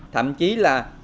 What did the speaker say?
thậm chí là